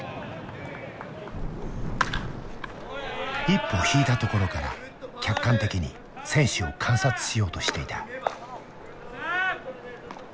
一歩引いたところから客観的に選手を観察しようとしていた。